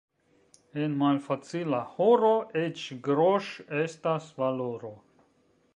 En malfacila horo eĉ groŝ' estas valoro.